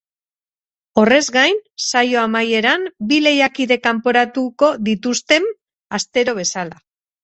Horrez gain, saio amaieran bi lehiakide kanporatuko dituztem, astero bezala.